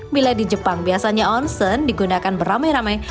bila di jepang biasanya onsen digunakan beramai ramai